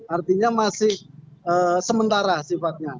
artinya masih sementara sifatnya